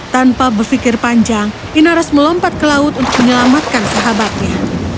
tanpa berpikir panjang inaros melompat ke laut untuk menyelamatkan sahabatnya